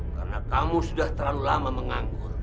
karena kamu sudah terlalu lama menganggur